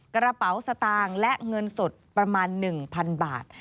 กระเป๋าสตางค์และเงินสดประมาณ๑๐๐๐บาท